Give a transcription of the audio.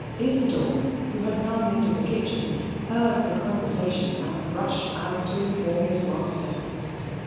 Isidor, who had come into the kitchen, heard the conversation and rushed out to inform his master.